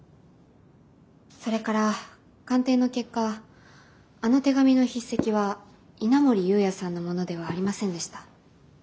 それから鑑定の結果あの手紙の筆跡は稲森有也さんのものではありませんでした。